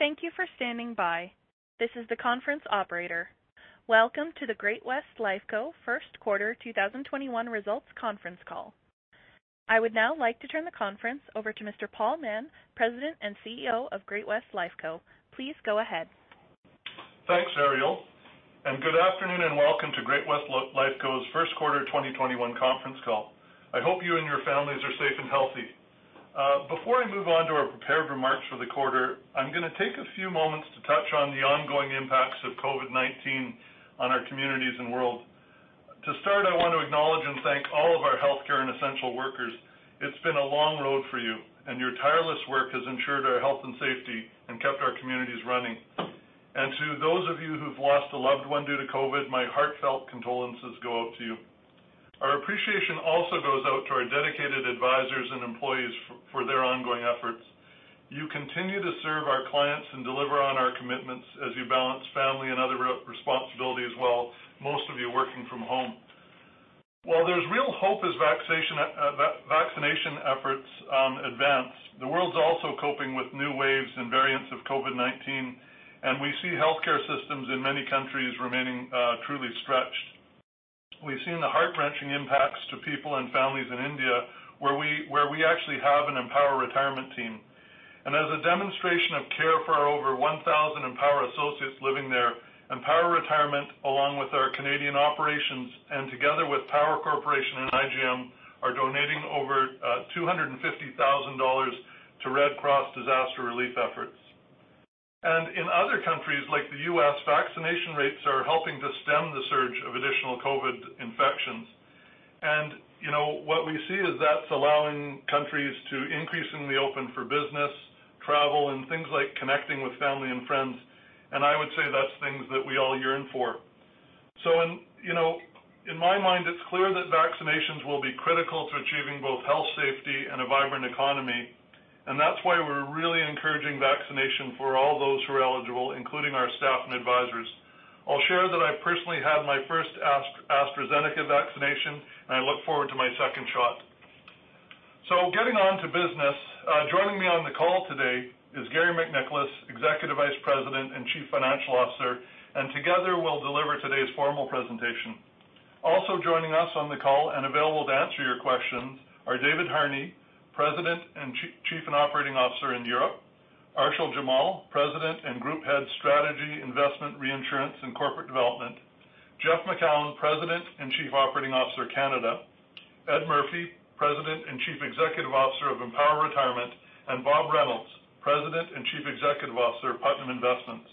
Thank you for standing by. This is the conference operator. Welcome to the Great-West Lifeco first quarter 2021 results conference call. I would now like to turn the conference over to Mr. Paul Mahon, President and CEO of Great-West Lifeco. Please go ahead. Thanks, Ariel. Good afternoon and welcome to Great-West Lifeco's first quarter 2021 conference call. I hope you and your families are safe and healthy. Before we move on to our prepared remarks for the quarter, I'm going to take a few moments to touch on the ongoing impacts of COVID-19 on our communities and world. To start, I want to acknowledge and thank all of our healthcare and essential workers. It's been a long road for you. Your tireless work has ensured our health and safety and kept our communities running. To those of you who've lost a loved one due to COVID, my heartfelt condolences go out to you. Our appreciation also goes out to our dedicated advisors and employees for their ongoing efforts. You continue to serve our clients and deliver on our commitments as you balance family and other responsibilities well, most of you working from home. While there's real hope as vaccination efforts advance, the world's also coping with new waves and variants of COVID-19. We see healthcare systems in many countries remaining truly stretched. We've seen the heart-wrenching impacts to people and families in India, where we actually have an Empower Retirement team. As a demonstration of care for our over 1,000 Empower associates living there, Empower Retirement, along with our Canadian operations and together with Power Corporation and IGM, are donating over 250,000 dollars to Red Cross disaster relief efforts. In other countries, like the U.S., vaccination rates are helping to stem the surge of additional COVID infections. What we see is that's allowing countries to increasingly open for business, travel, and things like connecting with family and friends. I would say that's things that we all yearn for. In my mind, it's clear that vaccinations will be critical to achieving both health safety and a vibrant economy, and that's why we're really encouraging vaccination for all those who are eligible, including our staff and advisors. I'll share that I personally had my first AstraZeneca vaccination, and I look forward to my second shot. Getting on to business, joining me on the call today is Garry MacNicholas, Executive Vice-President and Chief Financial Officer, and together we'll deliver today's formal presentation. Also joining us on the call and available to answer your questions are David Harney, President and Chief Operating Officer, Europe, Arshil Jamal, President and Group Head, Strategy, Investment, Reinsurance, and Corporate Development, Jeff Macoun, President and Chief Operating Officer, Canada, Ed Murphy, President and Chief Executive Officer of Empower Retirement, and Bob Reynolds, President and Chief Executive Officer of Putnam Investments.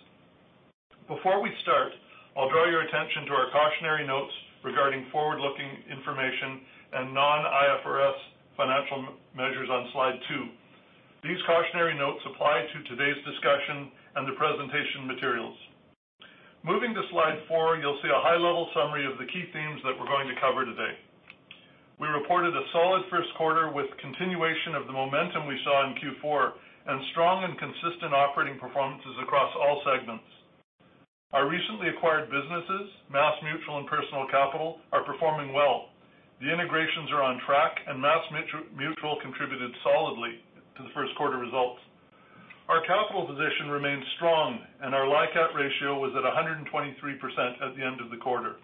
Before we start, I'll draw your attention to our cautionary notes regarding forward-looking information and non-IFRS financial measures on slide two. These cautionary notes apply to today's discussion and the presentation materials. Moving to slide four, you'll see a high-level summary of the key themes that we're going to cover today. We reported a solid first quarter with continuation of the momentum we saw in Q4 and strong and consistent operating performances across all segments. Our recently acquired businesses, MassMutual and Personal Capital, are performing well. The integrations are on track. MassMutual contributed solidly to the first quarter results. Our capital position remains strong. Our LICAT ratio was at 123% at the end of the quarter.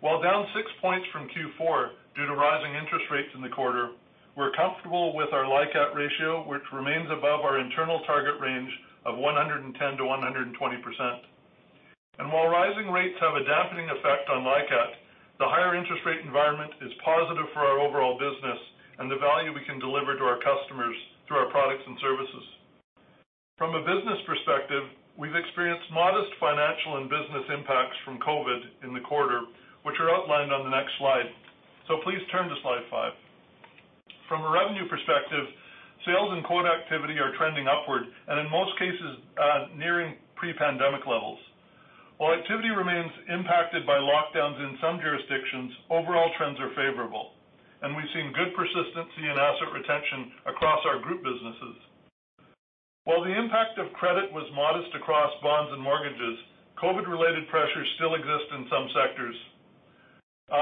While down six points from Q4 due to rising interest rates in the quarter, we are comfortable with our LICAT ratio, which remains above our internal target range of 110%-120%. While rising rates have a dampening effect on LICAT, the higher interest rate environment is positive for our overall business and the value we can deliver to our customers through our products and services. From a business perspective, we have experienced modest financial and business impacts from COVID-19 in the quarter, which are outlined on the next slide. Please turn to slide five. From a revenue perspective, sales and quote activity are trending upward and in most cases, nearing pre-pandemic levels. While activity remains impacted by lockdowns in some jurisdictions, overall trends are favorable, and we've seen good persistency in asset retention across our group businesses. While the impact of credit was modest across bonds and mortgages, COVID-19 related pressures still exist in some sectors.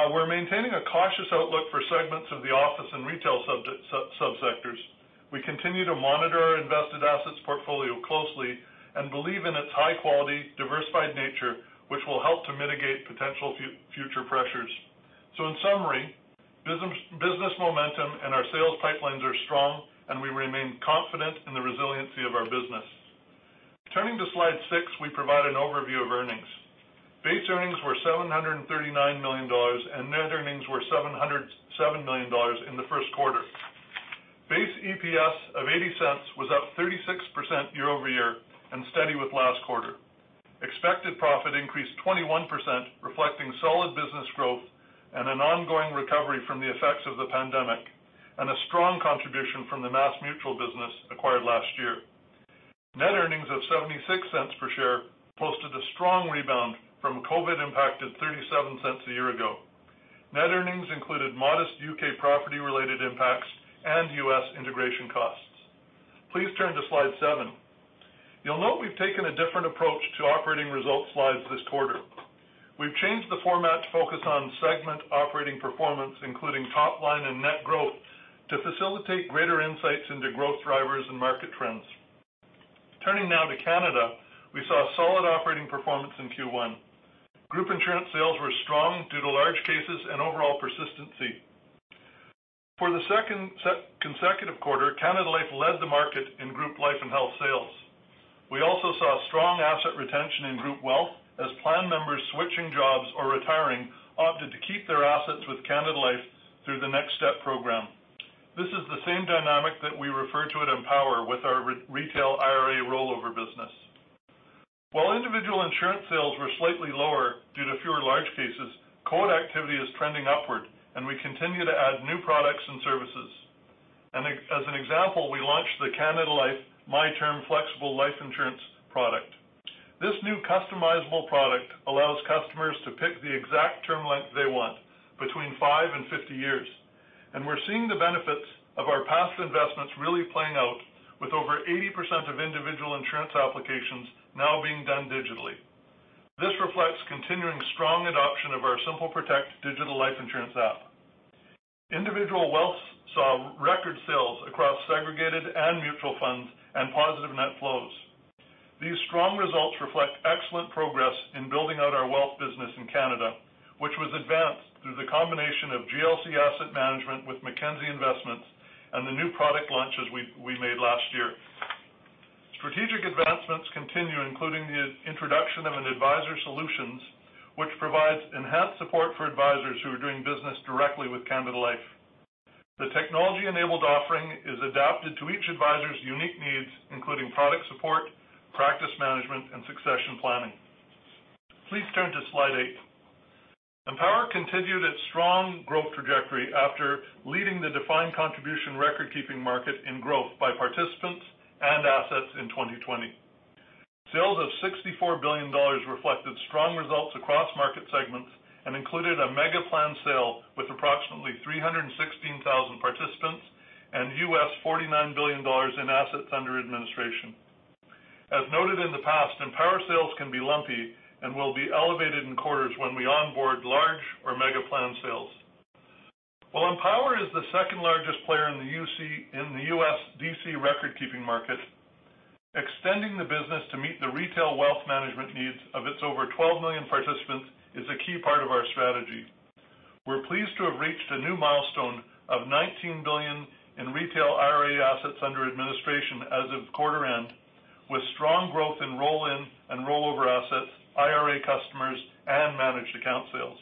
We're maintaining a cautious outlook for segments of the office and retail subsectors. We continue to monitor our invested assets portfolio closely and believe in its high quality, diversified nature, which will help to mitigate potential future pressures. In summary, business momentum and our sales pipelines are strong, and we remain confident in the resiliency of our business. Turning to slide six, we provide an overview of earnings. Base earnings were 739 million dollars, and net earnings were 707 million dollars in the first quarter. Base EPS of 0.80 was up 36% year-over-year and steady with last quarter. Expected profit increased 21%, reflecting solid business growth and an ongoing recovery from the effects of the pandemic, and a strong contribution from the MassMutual business acquired last year. Net earnings of 0.76 per share posted a strong rebound from COVID impacted 0.37 a year ago. Net earnings included modest U.K. property related impacts and U.S. integration costs. Please turn to slide seven. You'll note we've taken a different approach to operating results slides this quarter. We've changed the format to focus on segment operating performance, including top line and net growth, to facilitate greater insights into growth drivers and market trends. Turning now to Canada, we saw solid operating performance in Q1. Group insurance sales were strong due to large cases and overall persistency. For the second consecutive quarter, Canada Life led the market in group life and health sales. We also saw strong asset retention in group wealth as plan members switching jobs or retiring opted to keep their assets with Canada Life through the NextStep program. This is the same dynamic that we refer to at Empower with our retail IRA rollover business. While individual insurance sales were slightly lower due to fewer large cases, quote activity is trending upward, and we continue to add new products and services. As an example, we launched the Canada Life My Term Flexible Life Insurance product. This new customizable product allows customers to pick the exact term length they want between five and 50 years. We're seeing the benefits of our past investments really playing out with over 80% of individual insurance applications now being done digitally. This reflects continuing strong adoption of our SimpleProtect digital life insurance app. Individual wealth saw record sales across segregated and mutual funds and positive net flows. These strong results reflect excellent progress in building out our wealth business in Canada, which was advanced through the combination of GLC Asset Management Group with Mackenzie Investments and the new product launches we made last year. Strategic advancements continue, including the introduction of an advisor solutions, which provides enhanced support for advisors who are doing business directly with Canada Life. The technology-enabled offering is adapted to each advisor's unique needs, including product support, practice management, and succession planning. Please turn to slide eight. Empower continued its strong growth trajectory after leading the defined contribution recordkeeping market in growth by participants and assets in 2020. Sales of 64 billion dollars reflected strong results across market segments and included a mega plan sale with approximately 316,000 participants and $49 billion in assets under administration. As noted in the past, Empower sales can be lumpy and will be elevated in quarters when we onboard large or mega plan sales. While Empower is the second largest player in the U.S. DC record keeping market, extending the business to meet the retail wealth management needs of its over 12 million participants is a key part of our strategy. We're pleased to have reached a new milestone of 19 billion in retail IRA assets under administration as of quarter end, with strong growth in roll-in and rollover assets, IRA customers, and managed account sales.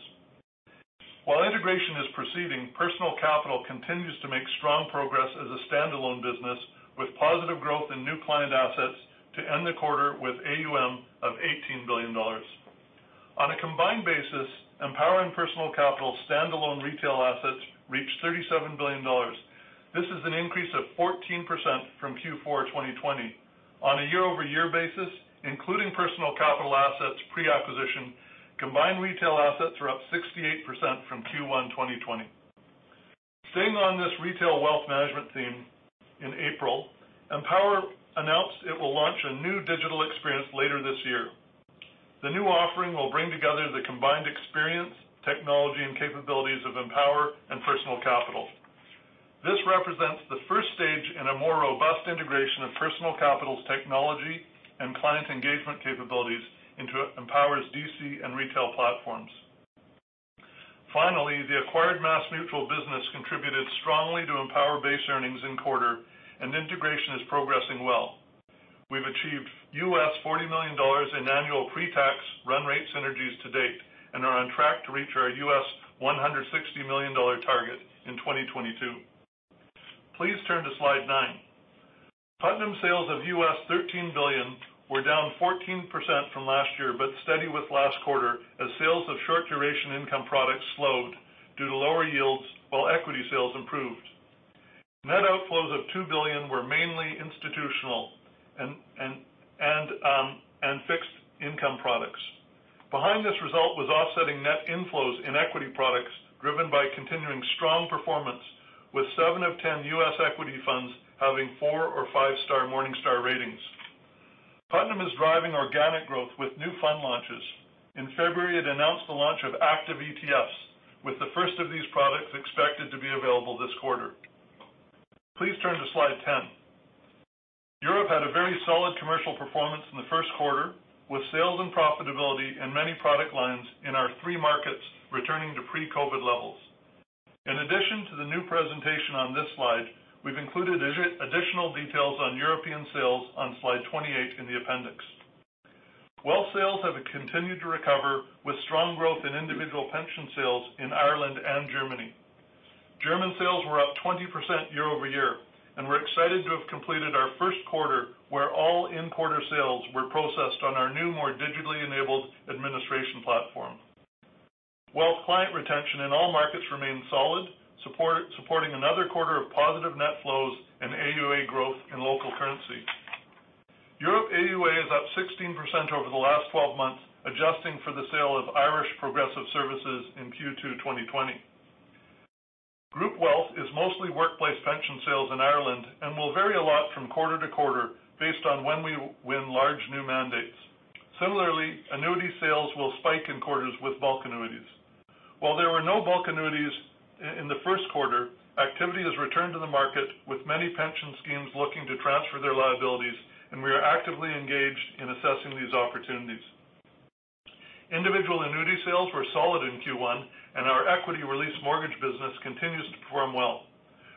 While integration is proceeding, Personal Capital continues to make strong progress as a standalone business with positive growth in new client assets to end the quarter with AUM of 18 billion dollars. On a combined basis, Empower and Personal Capital standalone retail assets reached 37 billion dollars. This is an increase of 14% from Q4 2020. On a year-over-year basis, including Personal Capital assets pre-acquisition, combined retail assets are up 68% from Q1 2020. Staying on this retail wealth management theme, in April, Empower announced it will launch a new digital experience later this year. The new offering will bring together the combined experience, technology, and capabilities of Empower and Personal Capital. This represents the first stage in a more robust integration of Personal Capital's technology and client engagement capabilities into Empower's DC and retail platforms. Finally, the acquired MassMutual business contributed strongly to Empower base earnings in quarter, and integration is progressing well. We've achieved $40 million in annual pre-tax run rate synergies to date and are on track to reach our $160 million target in 2022. Please turn to slide nine. Putnam sales of $13 billion were down 14% from last year, but steady with last quarter as sales of short duration income products slowed due to lower yields while equity sales improved. Net outflows of 2 billion were mainly institutional and fixed income products. Behind this result was offsetting net inflows in equity products driven by continuing strong performance with seven of 10 U.S. equity funds having four or five-star Morningstar ratings. Putnam is driving organic growth with new fund launches. In February, it announced the launch of active ETFs, with the first of these products expected to be available this quarter. Please turn to slide 10. Europe had a very solid commercial performance in the first quarter, with sales and profitability in many product lines in our three markets returning to pre-COVID levels. In addition to the new presentation on this slide, we've included additional details on European sales on slide 28 in the appendix. Wealth sales have continued to recover with strong growth in individual pension sales in Ireland and Germany. German sales were up 20% year-over-year, and we're excited to have completed our first quarter where all in quarter sales were processed on our new, more digitally enabled administration platform. Wealth client retention in all markets remained solid, supporting another quarter of positive net flows and AUA growth in local currency. Europe AUA is up 16% over the last 12 months, adjusting for the sale of Irish Progressive Services in Q2 2020. Group wealth is mostly workplace pension sales in Ireland and will vary a lot from quarter-to-quarter based on when we win large new mandates. Similarly, annuity sales will spike in quarters with bulk annuities. While there were no bulk annuities in the first quarter, activity has returned to the market with many pension schemes looking to transfer their liabilities, and we are actively engaged in assessing these opportunities. Individual annuity sales were solid in Q1, and our equity release mortgage business continues to perform well.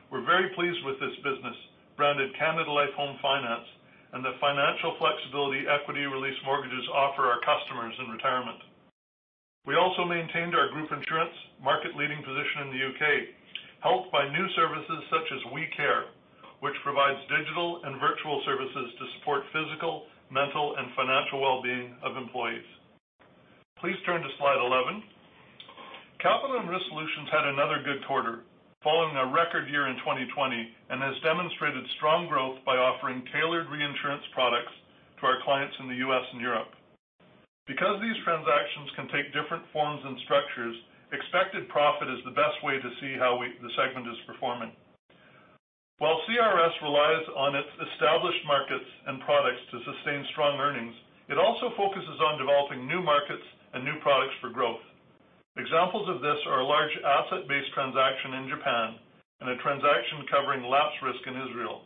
We're very pleased with this business, branded Canada Life Home Finance, and the financial flexibility equity release mortgages offer our customers in retirement. We also maintained our group insurance market leading position in the U.K., helped by new services such as WeCare, which provides digital and virtual services to support physical, mental, and financial wellbeing of employees. Please turn to slide 11. Capital and Risk Solutions had another good quarter following a record year in 2020, and has demonstrated strong growth by offering tailored reinsurance products to our clients in the U.S. and Europe. Because these transactions can take different forms and structures, expected profit is the best way to see how the segment is performing. While CRS relies on its established markets and products to sustain strong earnings, it also focuses on developing new markets and new products for growth. Examples of this are a large asset-based transaction in Japan and a transaction covering lapse risk in Israel.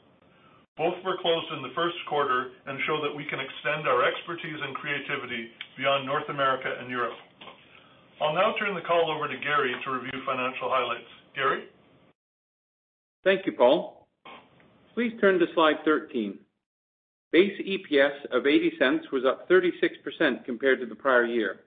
Both were closed in the first quarter and show that we can extend our expertise and creativity beyond North America and Europe. I'll now turn the call over to Garry to review financial highlights. Garry? Thank you, Paul. Please turn to slide 13. Base EPS of 0.80 was up 36% compared to the prior year.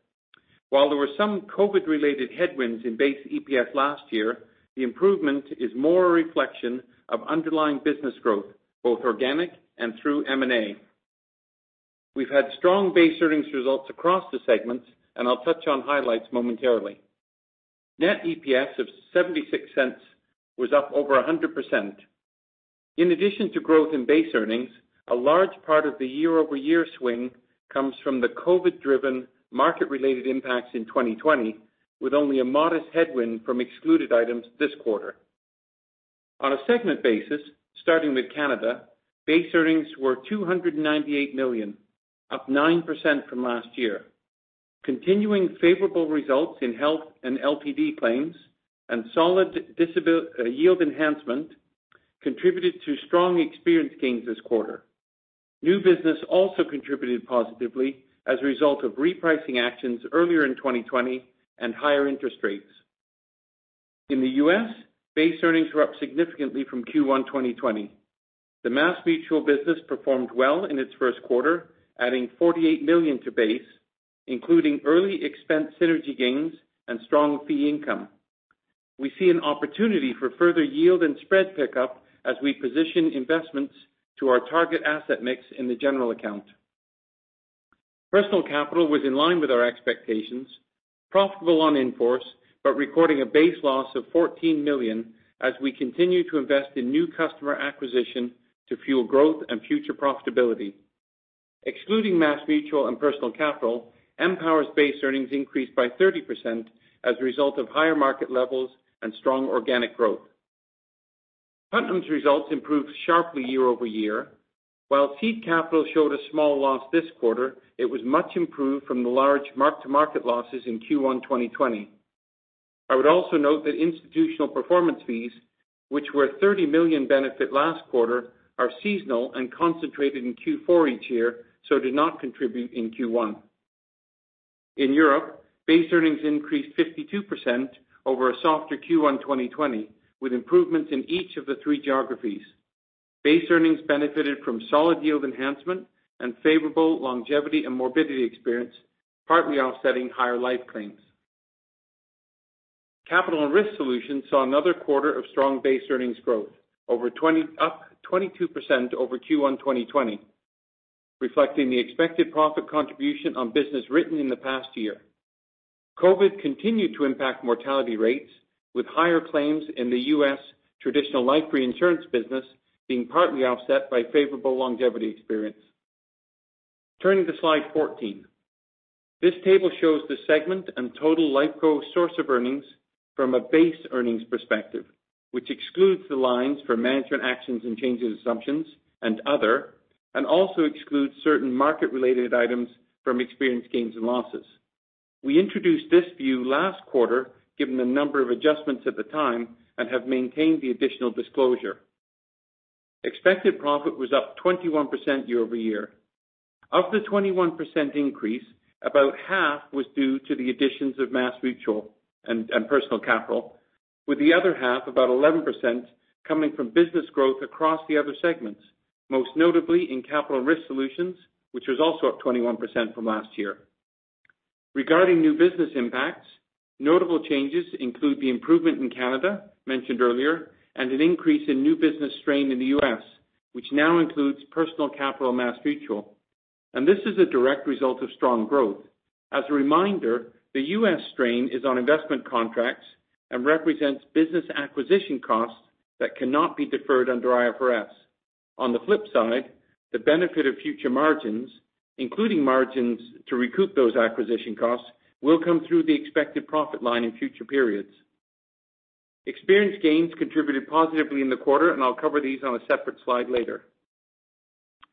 While there were some COVID related headwinds in base EPS last year, the improvement is more a reflection of underlying business growth, both organic and through M&A. We've had strong base earnings results across the segments, and I'll touch on highlights momentarily. Net EPS of 0.76 was up over 100%. In addition to growth in base earnings, a large part of the year-over-year swing comes from the COVID driven market related impacts in 2020, with only a modest headwind from excluded items this quarter. On a segment basis, starting with Canada, base earnings were 298 million, up 9% from last year. Continuing favorable results in health and LTD claims and solid yield enhancement contributed to strong experience gains this quarter. New business also contributed positively as a result of repricing actions earlier in 2020 and higher interest rates. In the U.S., base earnings were up significantly from Q1 2020. The MassMutual business performed well in its first quarter, adding 48 million to base, including early expense synergy gains and strong fee income. We see an opportunity for further yield and spread pickup as we position investments to our target asset mix in the general account. Personal Capital was in line with our expectations, profitable on in-force, but recording a base loss of CAD 14 million as we continue to invest in new customer acquisition to fuel growth and future profitability. Excluding MassMutual and Personal Capital, Empower's base earnings increased by 30% as a result of higher market levels and strong organic growth. Putnam's results improved sharply year-over-year. While Seed Capital showed a small loss this quarter, it was much improved from the large mark-to-market losses in Q1 2020. I would also note that institutional performance fees, which were a 30 million benefit last quarter, are seasonal and concentrated in Q4 each year, so did not contribute in Q1. In Europe, base earnings increased 52% over a softer Q1 2020, with improvements in each of the three geographies. Base earnings benefited from solid yield enhancement and favorable longevity and morbidity experience, partly offsetting higher life claims. Capital and Risk Solutions saw another quarter of strong base earnings growth, up 22% over Q1 2020, reflecting the expected profit contribution on business written in the past year. COVID continued to impact mortality rates, with higher claims in the U.S. traditional life reinsurance business being partly offset by favorable longevity experience. Turning to slide 14. This table shows the segment and total Lifeco source of earnings from a base earnings perspective, which excludes the lines for management actions and changes in assumptions and other, and also excludes certain market related items from experience gains and losses. We introduced this view last quarter, given the number of adjustments at the time, and have maintained the additional disclosure. Expected profit was up 21% year-over-year. Of the 21% increase, about half was due to the additions of MassMutual and Personal Capital, with the other half, about 11%, coming from business growth across the other segments, most notably in Capital and Risk Solutions, which was also up 21% from last year. Regarding new business impacts, notable changes include the improvement in Canada mentioned earlier, and an increase in new business strain in the U.S., which now includes Personal Capital and MassMutual. This is a direct result of strong growth. As a reminder, the U.S. strain is on investment contracts and represents business acquisition costs that cannot be deferred under IFRS. On the flip side, the benefit of future margins, including margins to recoup those acquisition costs, will come through the expected profit line in future periods. Experience gains contributed positively in the quarter, and I'll cover these on a separate slide later.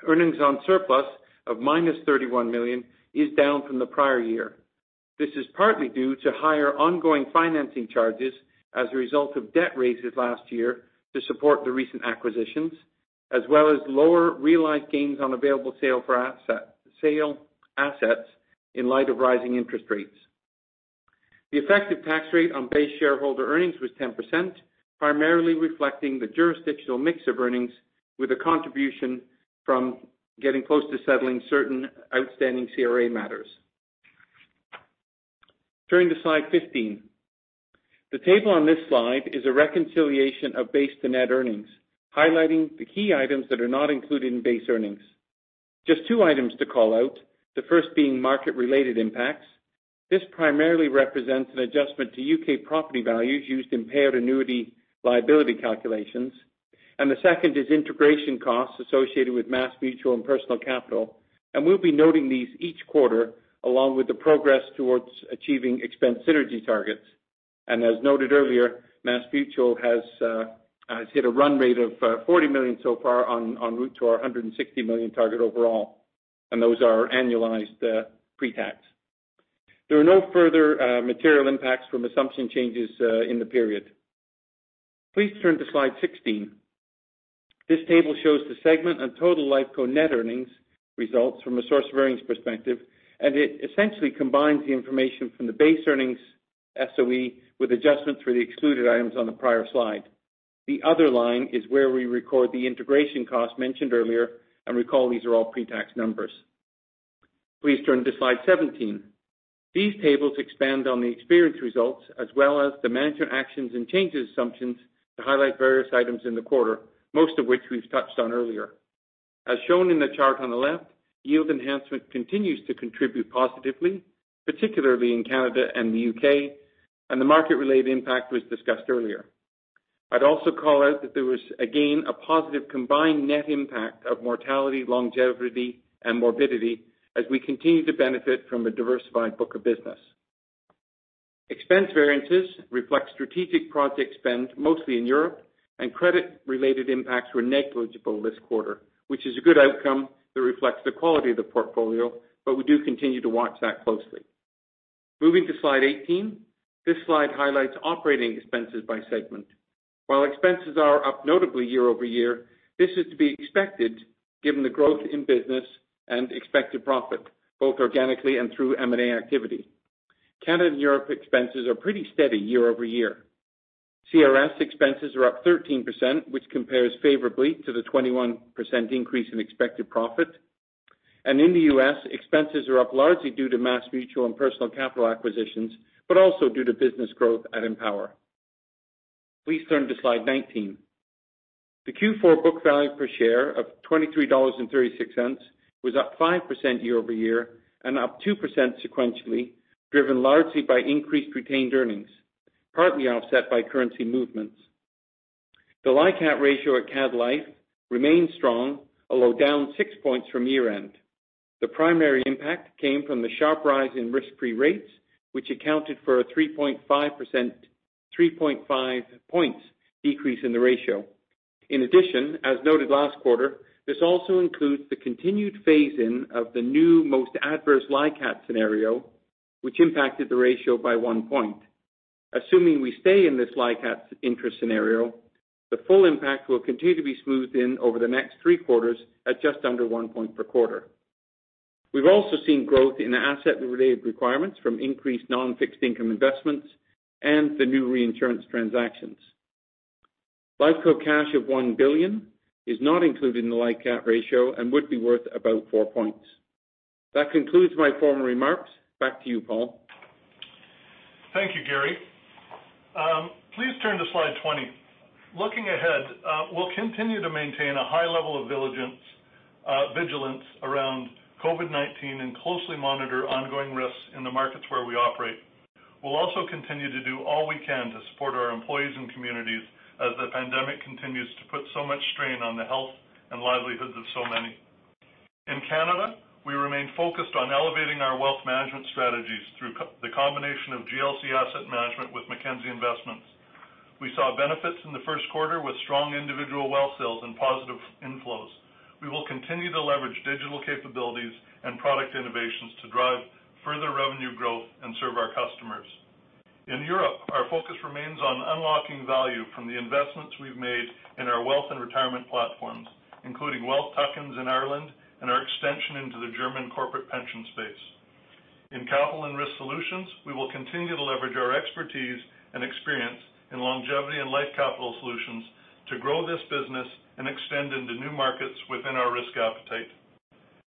Earnings on surplus of minus 31 million is down from the prior year. This is partly due to higher ongoing financing charges as a result of debt raises last year to support the recent acquisitions, as well as lower realized gains on available sale assets in light of rising interest rates. The effective tax rate on base shareholder earnings was 10%, primarily reflecting the jurisdictional mix of earnings with a contribution from getting close to settling certain outstanding CRA matters. Turning to slide 15. The table on this slide is a reconciliation of base to net earnings, highlighting the key items that are not included in base earnings. Just two items to call out, the first being market-related impacts. This primarily represents an adjustment to U.K. property values used in paired annuity liability calculations. The second is integration costs associated with MassMutual and Personal Capital. We'll be noting these each quarter along with the progress towards achieving expense synergy targets. As noted earlier, MassMutual has hit a run rate of 40 million so far en route to our 160 million target overall. Those are annualized pre-tax. There are no further material impacts from assumption changes in the period. Please turn to slide 16. This table shows the segment and total Lifeco net earnings results from a source variance perspective. It essentially combines the information from the base earnings SOE with adjustment through the excluded items on the prior slide. The other line is where we record the integration cost mentioned earlier. Recall these are all pre-tax numbers. Please turn to slide 17. These tables expand on the experience results as well as the management actions and changes assumptions to highlight various items in the quarter, most of which we've touched on earlier. As shown in the chart on the left, yield enhancement continues to contribute positively, particularly in Canada and the U.K. The market-related impact was discussed earlier. I'd also call out that there was, again, a positive combined net impact of mortality, longevity, and morbidity as we continue to benefit from a diversified book of business. Credit related impacts were negligible this quarter, which is a good outcome that reflects the quality of the portfolio, but we do continue to watch that closely. Moving to slide 18. This slide highlights operating expenses by segment. While expenses are up notably year-over-year, this is to be expected given the growth in business and expected profit, both organically and through M&A activity. Canada and Europe expenses are pretty steady year-over-year. CRS expenses are up 13%, which compares favorably to the 21% increase in expected profit. In the U.S., expenses are up largely due to MassMutual and Personal Capital acquisitions, but also due to business growth at Empower. Please turn to slide 19. The Q4 book value per share of 23.36 dollars was up 5% year-over-year and up 2% sequentially, driven largely by increased retained earnings, partly offset by currency movements. The LICAT ratio at Canada Life remains strong, although down six points from year end. The primary impact came from the sharp rise in risk-free rates, which accounted for a 3.5 points decrease in the ratio. In addition, as noted last quarter, this also includes the continued phase in of the new most adverse LICAT scenario, which impacted the ratio by one point. Assuming we stay in this LICAT interest scenario, the full impact will continue to be smoothed in over the next three quarters at just under one point per quarter. We've also seen growth in asset related requirements from increased non-fixed income investments and the new reinsurance transactions. Lifeco cash of 1 billion is not included in the LICAT ratio and would be worth about four points. That concludes my formal remarks. Back to you, Paul. Thank you, Garry. Please turn to slide 20. Looking ahead, we'll continue to maintain a high level of vigilance around COVID-19 and closely monitor ongoing risks in the markets where we operate. We'll also continue to do all we can to support our employees and communities as the pandemic continues to put so much strain on the health and livelihoods of so many. In Canada, we remain focused on elevating our wealth management strategies through the combination of GLC Asset Management with Mackenzie Investments. We saw benefits in the first quarter with strong individual wealth sales and positive inflows. We will continue to leverage digital capabilities and product innovations to drive further revenue growth and serve our customers. In Europe, our focus remains on unlocking value from the investments we've made in our wealth tuck-ins and retirement platforms, including wealth tuck-ins in Ireland and our extension into the German corporate pension space. In Capital and Risk Solutions, we will continue to leverage our expertise and experience in longevity and life capital solutions to grow this business and extend into new markets within our risk appetite.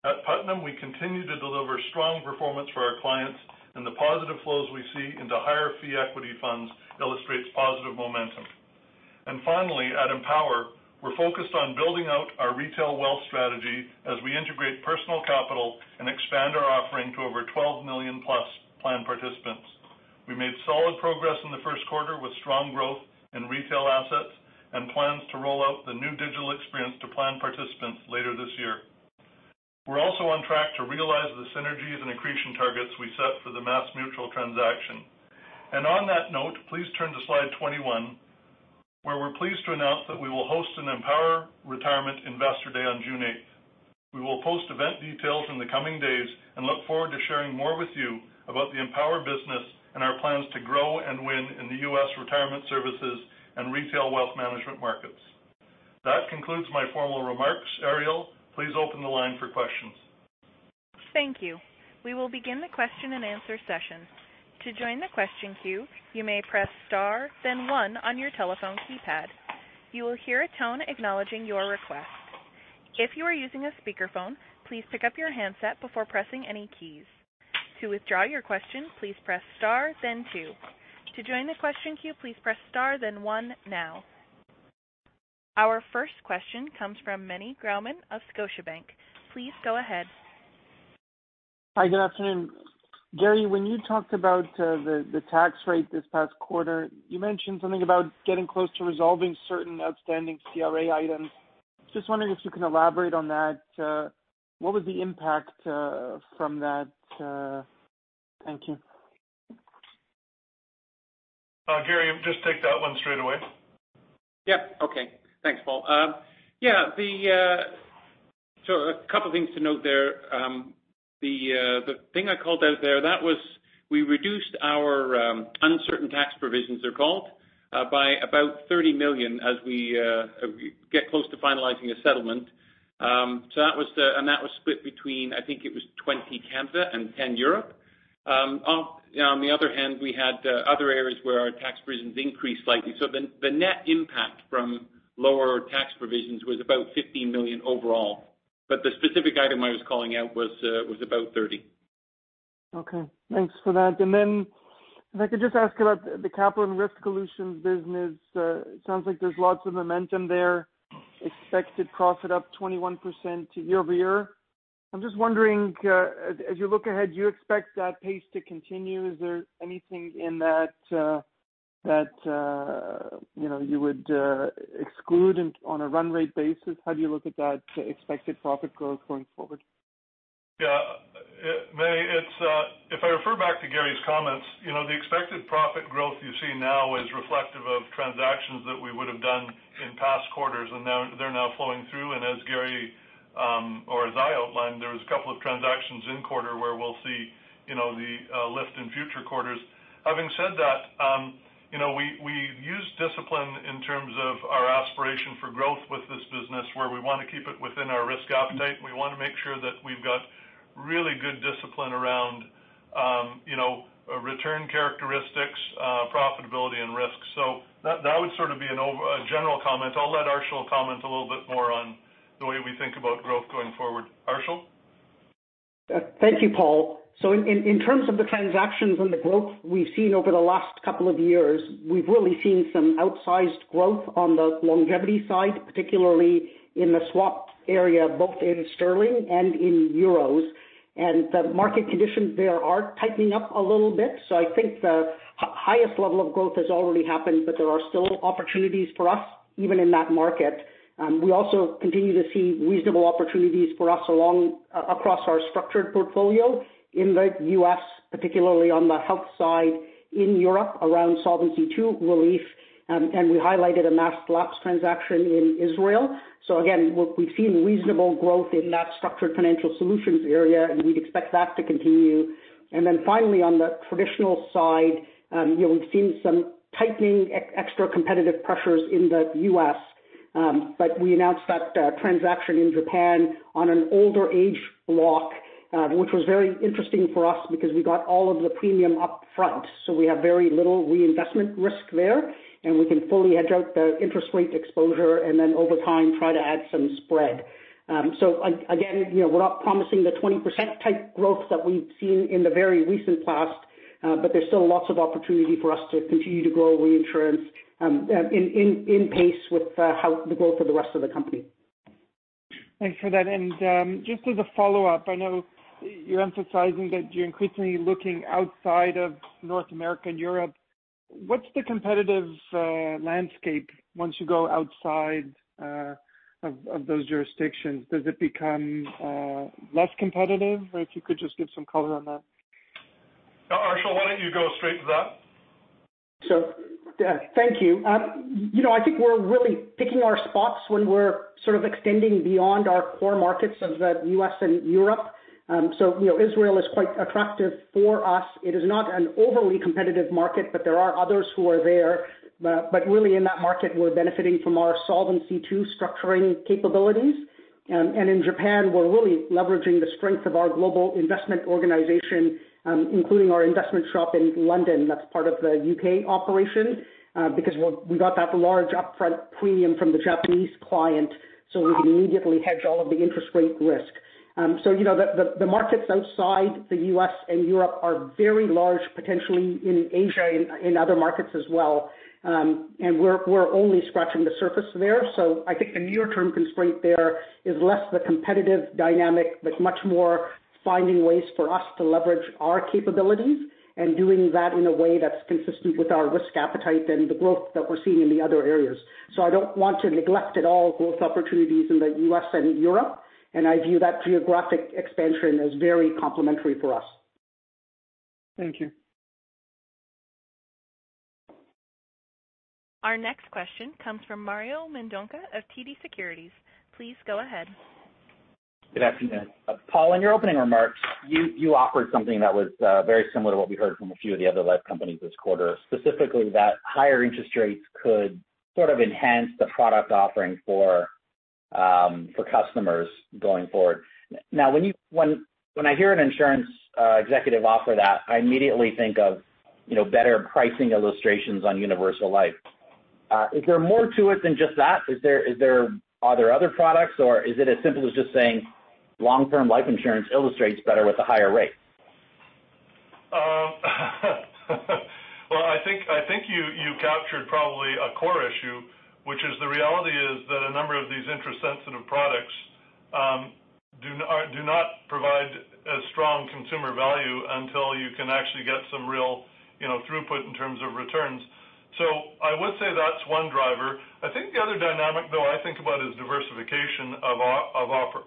At Putnam, we continue to deliver strong performance for our clients, and the positive flows we see into higher fee equity funds illustrates positive momentum. Finally, at Empower, we're focused on building out our retail wealth strategy as we integrate Personal Capital and expand our offering to over 12 million+ plan participants. We made solid progress in the first quarter with strong growth in retail assets and plans to roll out the new digital experience to plan participants later this year. We're also on track to realize the synergies and accretion targets we set for the MassMutual transaction. On that note, please turn to slide 21, where we're pleased to announce that we will host an Empower Retirement Investor Day on June 8th. We will post event details in the coming days and look forward to sharing more with you about the Empower business and our plans to grow and win in the U.S. retirement services and retail wealth management markets. That concludes my formal remarks. Ariel, please open the line for questions. Thank you. We will begin the question and answer session. To join the question queue you may press star then one on your telephone keypad. You will hear a tone acknowledging your request. If you were using a speaker phone please pick up your headset before pressing any keys. To withdraw your question please press star then two. To join the question queue please press star then one now. Our first question comes from Meny Grauman of Scotiabank. Please go ahead. Hi, good afternoon. Garry, when you talked about the tax rate this past quarter, you mentioned something about getting close to resolving certain outstanding CRA items. Just wondering if you can elaborate on that. What was the impact from that? Thank you. Garry, just take that one straight away. Yep, okay. Thanks, Paul. A couple things to note there. The thing I called out there, that was we reduced our uncertain tax provisions, they're called, by about 30 million as we get close to finalizing a settlement. That was split between, I think it was 20 million Canada and 10 million Europe. On the other hand, we had other areas where our tax provisions increased slightly. The net impact from lower tax provisions was about 15 million overall. The specific item I was calling out was about 30 million. Okay, thanks for that. If I could just ask about the Capital and Risk Solutions business. It sounds like there's lots of momentum there, expected profit up 21% year-over-year. I'm just wondering, as you look ahead, do you expect that pace to continue? Is there anything in that you would exclude on a run rate basis? How do you look at that expected profit growth going forward? Yeah. Meny, if I refer back to Garry's comments, the expected profit growth you see now is reflective of transactions that we would've done in past quarters, and they're now flowing through. As Garry, or as I outlined, there was a couple of transactions in quarter where we'll see the lift in future quarters. Having said that, we've used discipline in terms of our aspiration for growth with this business, where we want to keep it within our risk appetite, and we want to make sure that we've got really good discipline around return characteristics, profitability and risk. That would sort of be a general comment. I'll let Arshil comment a little bit more on the way we think about growth going forward. Arshil? Thank you, Paul. In terms of the transactions and the growth we've seen over the last couple of years, we've really seen some outsized growth on the longevity side, particularly in the swap area, both in GBP and in EUR, and the market conditions there are tightening up a little bit. I think the highest level of growth has already happened, but there are still opportunities for us even in that market. We also continue to see reasonable opportunities for us across our structured portfolio in the U.S., particularly on the health side in Europe around Solvency II relief, and we highlighted a mass lapse transaction in Israel. Again, we've seen reasonable growth in that structured financial solutions area, and we'd expect that to continue. Finally, on the traditional side, we've seen some tightening extra competitive pressures in the U.S. We announced that transaction in Japan on an older age block, which was very interesting for us because we got all of the premium upfront. We have very little reinvestment risk there, and we can fully hedge out the interest rate exposure and then over time try to add some spread. Again, we're not promising the 20% type growth that we've seen in the very recent past. There's still lots of opportunity for us to continue to grow reinsurance in pace with the growth of the rest of the company. Thanks for that. Just as a follow-up, I know you're emphasizing that you're increasingly looking outside of North America and Europe. What's the competitive landscape once you go outside of those jurisdictions? Does it become less competitive? If you could just give some color on that. Arshil, why don't you go straight to that? Thank you. I think we're really picking our spots when we're sort of extending beyond our core markets of the U.S. and Europe. Israel is quite attractive for us. It is not an overly competitive market, but there are others who are there. Really in that market, we're benefiting from our Solvency II structuring capabilities. In Japan, we're really leveraging the strength of our global investment organization, including our investment shop in London, that's part of the U.K. operation, because we got that large upfront premium from the Japanese client, so we can immediately hedge all of the interest rate risk. The markets outside the U.S. and Europe are very large, potentially in Asia and in other markets as well. We're only scratching the surface there. I think the near term constraint there is less the competitive dynamic, but much more finding ways for us to leverage our capabilities and doing that in a way that's consistent with our risk appetite and the growth that we're seeing in the other areas. I don't want to neglect at all growth opportunities in the U.S. and Europe, and I view that geographic expansion as very complementary for us. Thank you. Our next question comes from Mario Mendonca of TD Securities. Please go ahead. Good afternoon. Paul, in your opening remarks, you offered something that was very similar to what we heard from a few of the other life companies this quarter, specifically that higher interest rates could sort of enhance the product offering for customers going forward. Now, when I hear an insurance executive offer that, I immediately think of better pricing illustrations on universal life. Is there more to it than just that? Are there other products, or is it as simple as just saying long-term life insurance illustrates better with a higher rate? I think you captured probably a core issue, which is the reality is that a number of these interest-sensitive products do not provide a strong consumer value until you can actually get some real throughput in terms of returns. I would say that's one driver. I think the other dynamic, though, I think about is diversification of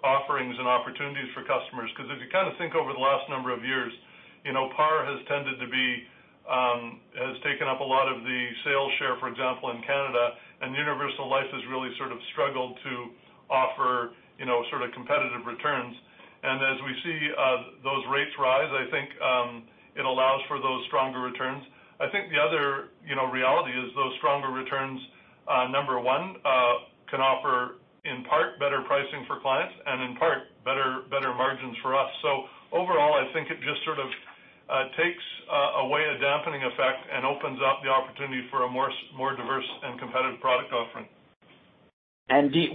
offerings and opportunities for customers. Because if you kind of think over the last number of years, PAR has taken up a lot of the sales share, for example, in Canada, and universal life has really sort of struggled to offer competitive returns. As we see those rates rise, I think it allows for those stronger returns. I think the other reality is those stronger returns, number one, can offer in part, better pricing for clients and in part, better margins for us. Overall, I think it just sort of takes away a dampening effect and opens up the opportunity for a more diverse and competitive product offering.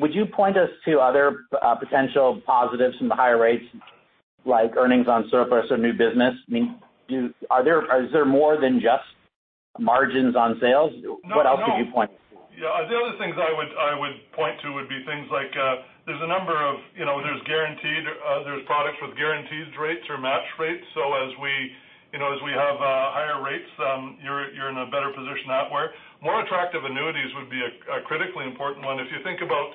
Would you point us to other potential positives from the higher rates, like earnings on surplus or new business? I mean, is there more than just margins on sales? No. What else could you point to? The other things I would point to would be things like there's products with guaranteed rates or match rates. As we have higher rates, you're in a better position that way. More attractive annuities would be a critically important one. If you think about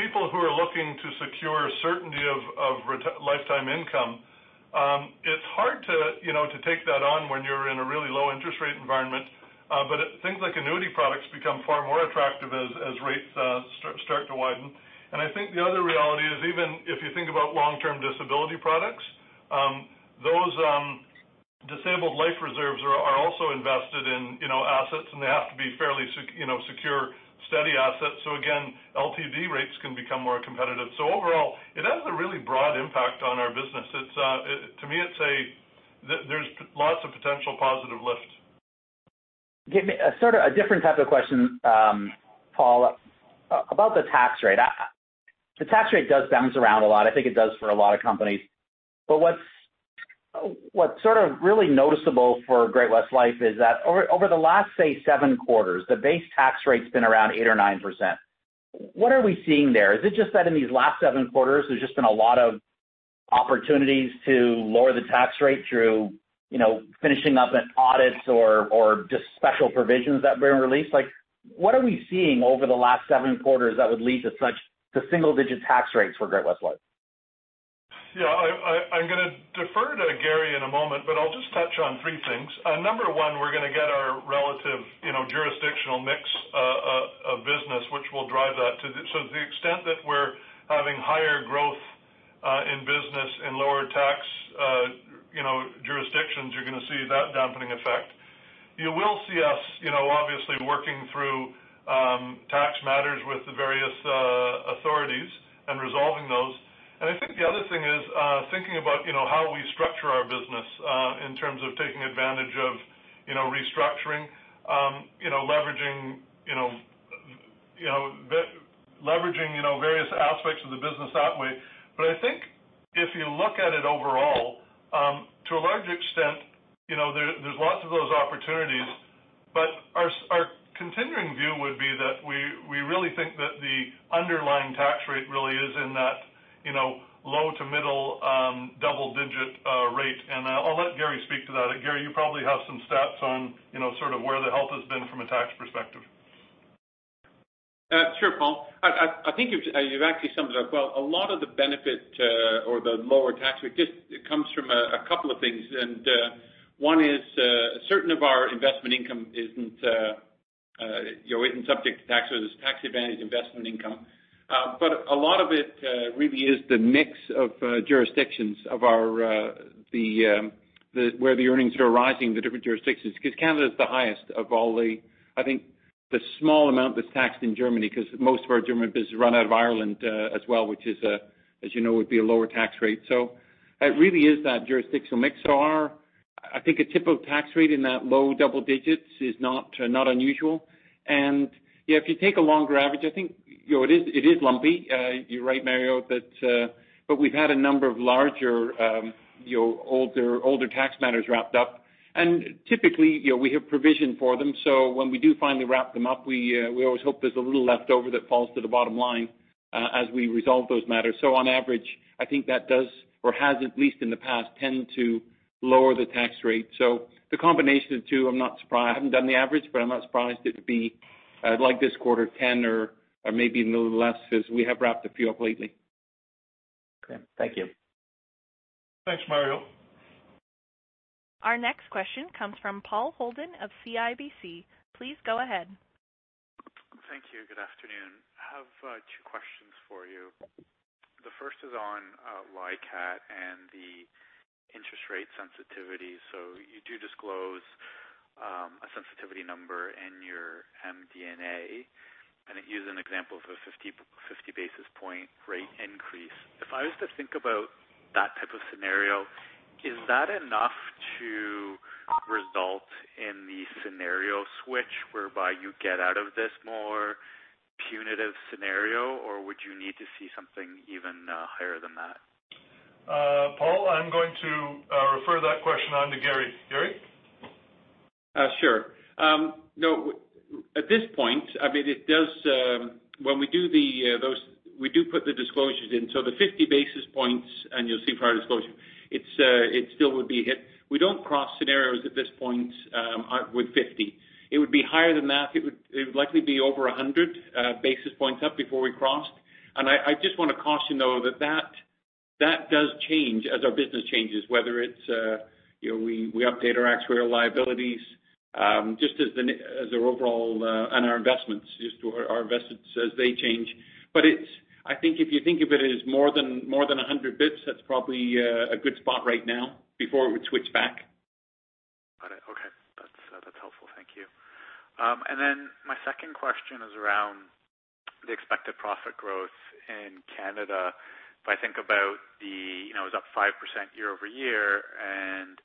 people who are looking to secure certainty of lifetime income, it's hard to take that on when you're in a really low interest rate environment. Things like annuity products become far more attractive as rates start to widen. I think the other reality is even if you think about Long-Term Disability products, those disabled life reserves are also invested in assets, and they have to be fairly secure, steady assets. Again, LTV rates can become more competitive. Overall, it has a really broad impact on our business. To me, there's lots of potential positive lift. Give me a sort of a different type of question, Paul Mahon. About the tax rate. The tax rate does bounce around a lot. I think it does for a lot of companies. What's sort of really noticeable for Great-West Life is that over the last, say seven quarters, the base tax rate's been around 8% or 9%. What are we seeing there? Is it just that in these last seven quarters, there's just been a lot of opportunities to lower the tax rate through finishing up an audit or just special provisions that were released? What are we seeing over the last seven quarters that would lead to single-digit tax rates for Great-West Life? Yeah. I'm going to defer to Garry in a moment, but I'll just touch on three things. Number one, we're going to get our relative jurisdictional mix of business, which will drive that. To the extent that we're having higher growth in business in lower tax jurisdictions, you're going to see that dampening effect. You will see us obviously working through tax matters with the various authorities and resolving those. I think the other thing is thinking about how we structure our business in terms of taking advantage of restructuring, leveraging various aspects of the business that way. I think if you look at it overall, to a large extent, there's lots of those opportunities. Our continuing view would be that we really think that the underlying tax rate really is in that low to middle double-digit rate. I'll let Garry speak to that. Garry, you probably have some stats on sort of where the help has been from a tax perspective. Sure, Paul. I think you've actually summed it up well. A lot of the benefit or the lower tax rate just comes from a couple of things, and one is certain of our investment income isn't subject to tax or this tax advantage investment income. A lot of it really is the mix of jurisdictions of where the earnings are rising, the different jurisdictions. Canada is the highest. I think the small amount that's taxed in Germany, because most of our German business run out of Ireland as well, which as you know, would be a lower tax rate. It really is that jurisdictional mix. I think a typical tax rate in that low double digits is not unusual. If you take a longer average, I think it is lumpy. You're right, Mario. We've had a number of larger older tax matters wrapped up, typically we have provisioned for them. When we do finally wrap them up, we always hope there's a little leftover that falls to the bottom line as we resolve those matters. On average, I think that does or has at least in the past, tend to lower the tax rate. The combination of two, I haven't done the average, I'm not surprised it would be like this quarter 10% or maybe a little less because we have wrapped a few up lately. Okay. Thank you. Thanks, Mario. Our next question comes from Paul Holden of CIBC. Please go ahead. Thank you. Good afternoon. I have two questions for you. The first is on LICAT and the interest rate sensitivity. You do disclose a sensitivity number in your MD&A, and it used an example of a 50 basis point rate increase. If I was to think about that type of scenario, is that enough to result in the scenario switch whereby you get out of this more punitive scenario, or would you need to see something even higher than that? Paul, I'm going to refer that question on to Garry. Garry? No, at this point, we do put the disclosures in. The 50 basis points, and you will see per our disclosure, it still would be hit. We do not cross scenarios at this point with 50. It would be higher than that. It would likely be over 100 basis points up before we crossed. I just want to caution, though, that does change as our business changes, whether we update our actuarial liabilities, and our investments as they change. I think if you think of it as more than 100 bps, that is probably a good spot right now before we switch back. Got it. Okay. That's helpful. Thank you. My second question is around the expected profit growth in Canada. It was up 5% year-over-year, and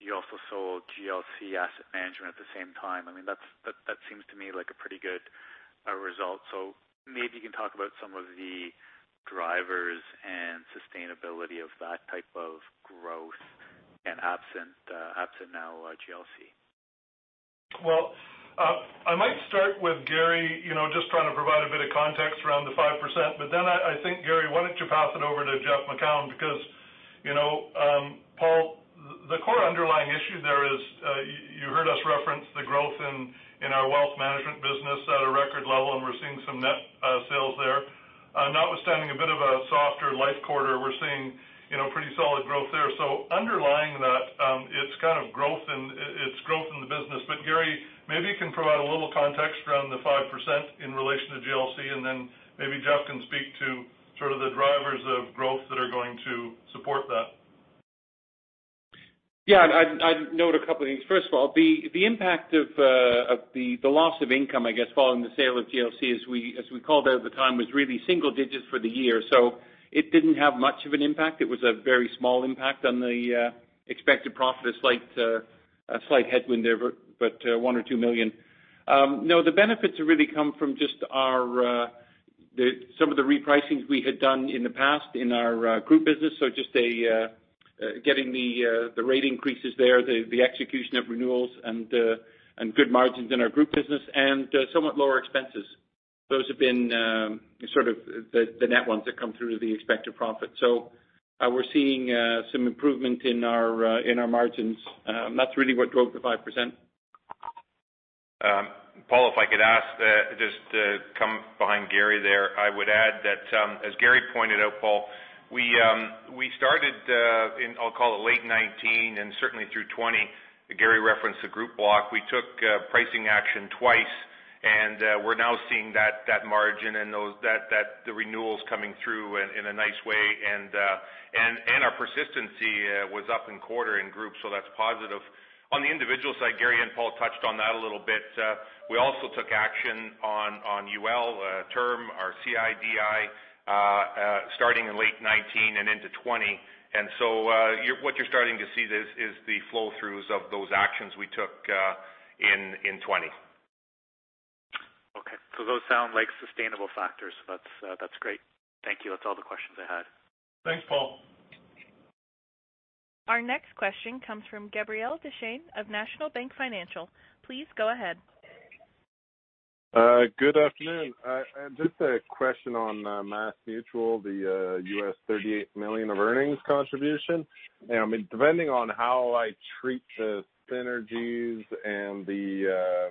you also sold GLC Asset Management at the same time. That seems to me like a pretty good result. Maybe you can talk about some of the drivers and sustainability of that type of growth and absent now GLC. I might start with Garry, just trying to provide a bit of context around the 5%, I think, Garry, why don't you pass it over to Jeff Macoun because, Paul, the core underlying issue there is you heard us reference the growth in our wealth management business at a record level, and we're seeing some net sales there. Notwithstanding a bit of a softer life quarter, we're seeing pretty solid growth there. Underlying that, it's growth in the business. Garry, maybe you can provide a little context around the 5% in relation to GLC, and then maybe Jeff can speak to sort of the drivers of growth that are going to support that. I'd note a couple of things. First of all, the impact of the loss of income, I guess, following the sale of GLC, as we called out at the time, was really single digits for the year. It didn't have much of an impact. It was a very small impact on the expected profit, a slight headwind there, but 1 million or 2 million. No, the benefits have really come from just some of the repricings we had done in the past in our group business. Just getting the rate increases there, the execution of renewals and good margins in our group business and somewhat lower expenses. Those have been sort of the net ones that come through to the expected profit. We're seeing some improvement in our margins. That's really what drove the 5%. Paul, if I could add, just to come behind Gary there, I would add that, as Gary pointed out, Paul, we started in, I'll call it late 2019 and certainly through 2020. Gary referenced the group block. We took pricing action twice, and we're now seeing that margin and the renewals coming through in a nice way. Our persistency was up in quarter in group, so that's positive. On the individual side, Gary and Paul touched on that a little bit. We also took action on UL term, our CI/DI, starting in late 2019 and into 2020. What you're starting to see is the flow throughs of those actions we took in 2020. Okay. Those sound like sustainable factors. That's great. Thank you. That's all the questions I had. Thanks, Paul. Our next question comes from Gabriel Dechaine of National Bank Financial. Please go ahead. Good afternoon. Just a question on MassMutual, the U.S. $38 million of earnings contribution. Depending on how I treat the synergies and the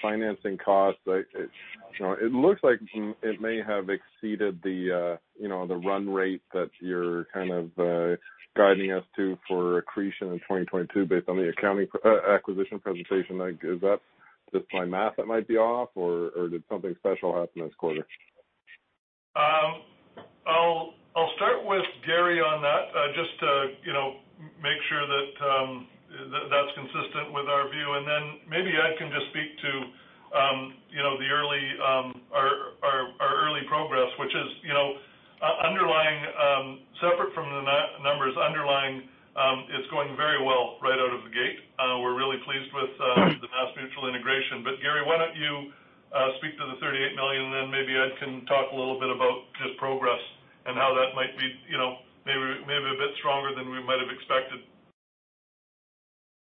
financing costs, it looks like it may have exceeded the run rate that you're kind of guiding us to for accretion in 2022 based on the accounting acquisition presentation. Is that just my math that might be off, or did something special happen this quarter? I'll start with Garry on that just to make sure that's consistent with our view, and then maybe Ed can just speak to our early progress, which is separate from the numbers underlying, it's going very well right out of the gate. We're really pleased with the MassMutual integration. Garry, why don't you speak to the 38 million, and then maybe I can talk a little bit about just progress and how that might be maybe a bit stronger than we might have expected.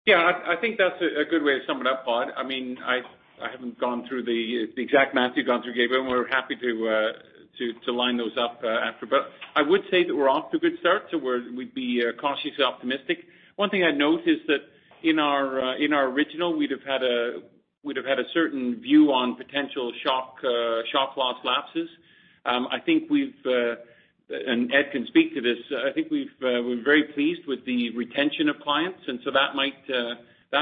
Yeah, I think that's a good way to sum it up, Paul. I haven't gone through the exact math you've gone through, Gabriel, and we're happy to line those up after. I would say that we're off to a good start, so we'd be cautiously optimistic. One thing I'd note is that in our original, we'd have had a certain view on potential shock loss lapses. Ed can speak to this, I think we're very pleased with the retention of clients, that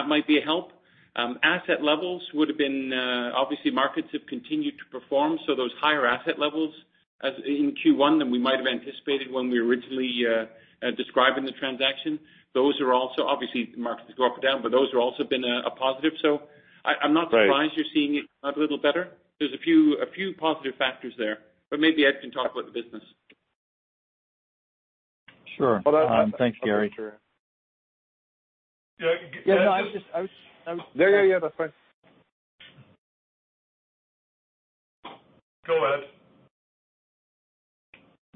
might be a help. Asset levels would have been, obviously markets have continued to perform, those higher asset levels as in Q1 than we might have anticipated when we originally describing the transaction. Obviously, the markets go up or down, those have also been a positive. I'm not surprised you're seeing it a little better. There's a few positive factors there, maybe Ed can talk about the business. Sure. Thanks, Garry. Yeah. No. There. Go ahead.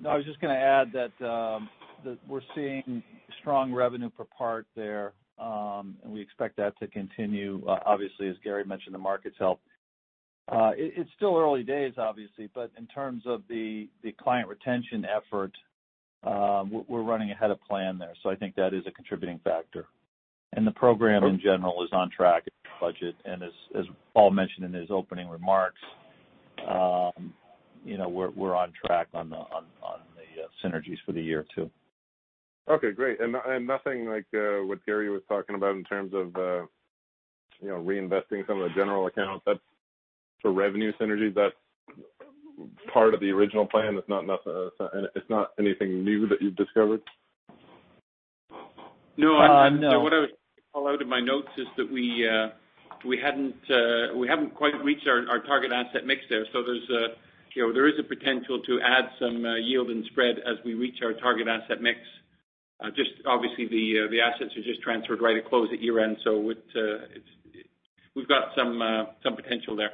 I was just going to add that we're seeing strong revenue per part there, and we expect that to continue. Obviously, as Garry mentioned, the market's helped. It's still early days, obviously, but in terms of the client retention effort, we're running ahead of plan there. I think that is a contributing factor. The program in general is on track budget, and as Paul mentioned in his opening remarks, we're on track on the synergies for the year too. Okay, great. Nothing like what Garry was talking about in terms of reinvesting some of the general accounts. That's for revenue synergies, that's part of the original plan, it's not anything new that you've discovered? No. No. What I was going to call out in my notes is that we haven't quite reached our target asset mix there. There is a potential to add some yield and spread as we reach our target asset mix. Just obviously the assets are just transferred right at close at year-end, we've got some potential there.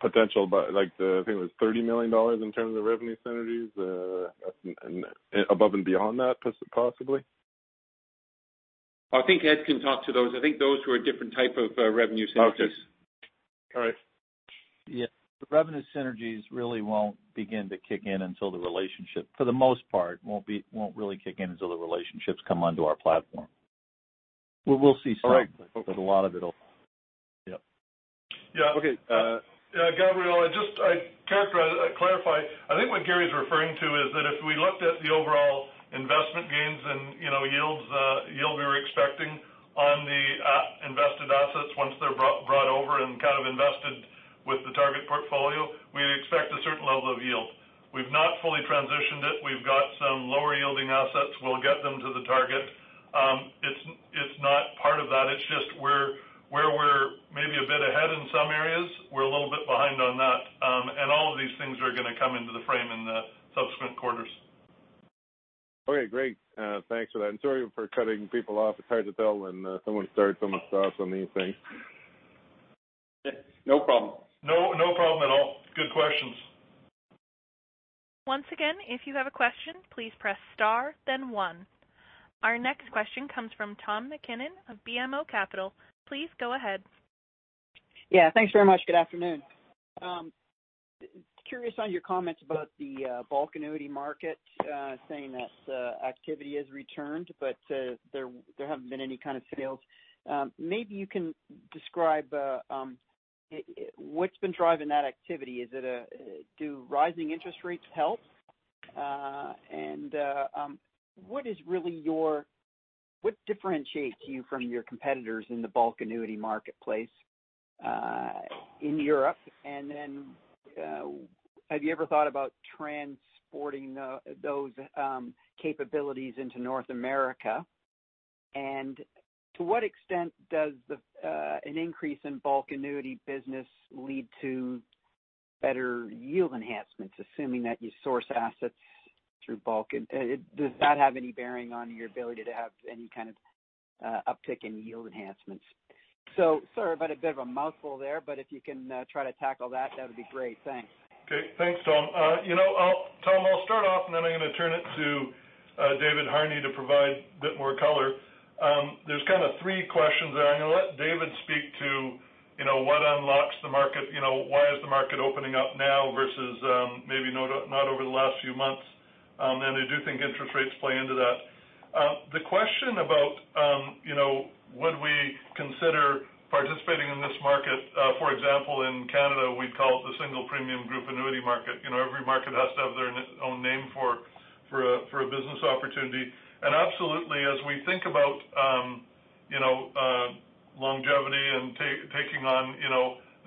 Potential, I think it was 30 million dollars in terms of revenue synergies above and beyond that, possibly? I think Ed can talk to those. I think those were a different type of revenue synergies. Okay. All right. Yeah. The revenue synergies really won't begin to kick in until the relationship, for the most part, won't really kick in until the relationships come onto our platform. All right. A lot of it will. Yep. Okay. Gabriel, I think what Garry's referring to is that if we looked at the overall investment gains and yield we were expecting on the invested assets once they're brought over and kind of invested with the target portfolio, we'd expect a certain level of yield. We've not fully transitioned it. We've got some lower yielding assets. We'll get them to the target. It's not part of that. It's just where we're maybe a bit ahead in some areas, we're a little bit behind on that. All of these things are going to come into the frame in the subsequent quarters. Okay, great. Thanks for that, and sorry for cutting people off. It's hard to tell when someone starts, someone stops on these things. No problem. No problem at all. Good questions. Once again, if you have a question, please press star then one. Our next question comes from Tom MacKinnon of BMO Capital. Please go ahead. Yeah, thanks very much. Good afternoon. Curious on your comments about the bulk annuity market, saying that activity has returned, but there haven't been any kind of sales. Maybe you can describe what's been driving that activity? Do rising interest rates help? What differentiates you from your competitors in the bulk annuity marketplace in Europe? Have you ever thought about transporting those capabilities into North America? To what extent does an increase in bulk annuity business lead to better yield enhancements, assuming that you source assets through bulk? Does that have any bearing on your ability to have any kind of uptick in yield enhancements? Sorry about a bit of a mouthful there, but if you can try to tackle that would be great. Thanks. Okay. Thanks, Tom. Tom, I'll start off, then I'm going to turn it to David Harney to provide a bit more color. There's kind of three questions there. I'm going to let David speak to what unlocks the market, why is the market opening up now versus maybe not over the last few months. I do think interest rates play into that. The question about would we consider participating in this market, for example, in Canada, we'd call it the single premium group annuity market. Every market has to have their own name for a business opportunity. Absolutely, as we think about longevity and taking on